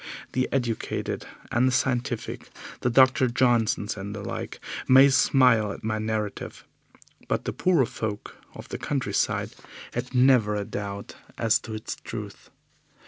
The educated and the scientific, the Dr. Johnsons and the like, may smile at my narrative, but the poorer folk of the countryside had never a doubt as to its truth.